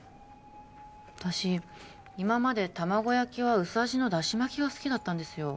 私今まで卵焼きは薄味のだし巻きが好きだったんですよ